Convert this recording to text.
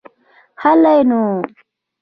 هلئ نو.